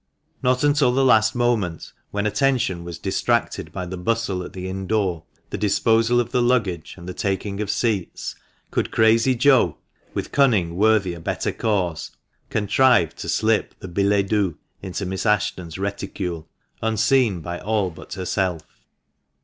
Not until the last moment — when attention was distracted by the bustle at the inn door, the disposal of the luggage, and the taking of seats — could Crazy Joe (with cunning worthy a better cause) contrive to slip the billet doux into Miss Ashton's reticule unseen by all but herself.